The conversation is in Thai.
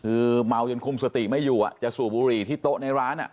คือเมาจนคุมสติไม่อยู่จะสูบบุหรี่ที่โต๊ะในร้าน